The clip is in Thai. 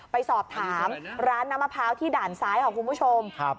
ไปสอบถามร้านน้ำมะพร้าวที่ด่านซ้ายค่ะคุณผู้ชม